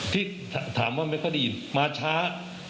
ที่ถามว่าไม่ก็ดีมาช้า